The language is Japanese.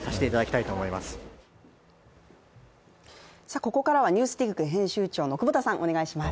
ここからは「ＮＥＷＳＤＩＧ」編集長の久保田さん、お願いします。